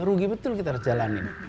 rugi betul kita harus jalanin